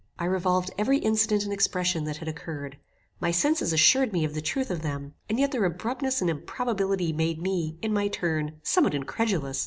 I revolved every incident and expression that had occurred. My senses assured me of the truth of them, and yet their abruptness and improbability made me, in my turn, somewhat incredulous.